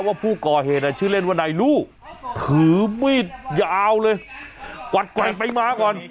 ว่าผู้ก่อเหตุชื่อเล่นว่านายลู่ถือมีดยาวเลยกวัดแกว่งไปมาก่อน